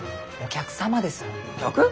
客？